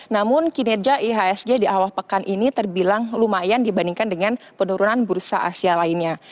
namun kinerja ihsg di awal pekan ini terbilang lumayan dibandingkan dengan penurunan bursa asia lainnya